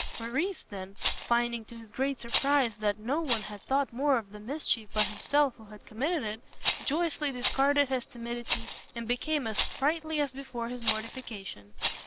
Morrice then, finding, to his great surprise, that no one had thought more of the mischief but himself who had committed it, joyously discarded his timidity, and became as sprightly as before his mortification.